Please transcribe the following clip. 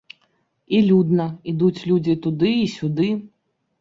І людна, ідуць людзі туды і сюды.